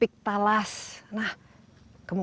ini sudah cukup